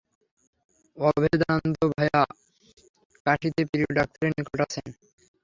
অভেদানন্দ-ভায়া কাশীতে প্রিয় ডাক্তারের নিকট আছেন।